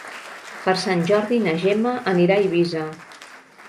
Per Sant Jordi na Gemma anirà a Eivissa.